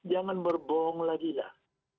jangan berbohong lagi lah